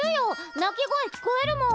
鳴き声聞こえるもん。